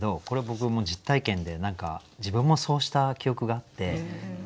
これ僕も実体験で何か自分もそうした記憶があって。